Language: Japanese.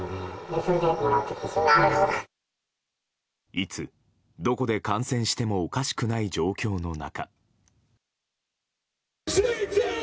いつ、どこで感染してもおかしくない状況の中。